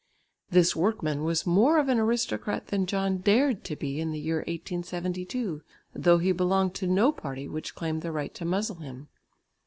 This workman was more of an aristocrat than John dared to be in the year 1872, though he belonged to no party which claimed the right to muzzle him.